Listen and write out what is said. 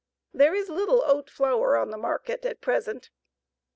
There is little oat flour on the market at present.